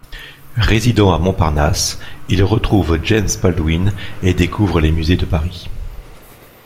Résidant à Montparnasse, il retrouve James Baldwin et découvre les musées de Paris.